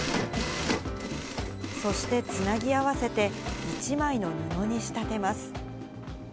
そしてつなぎ合わせて、一枚の布に仕立てます。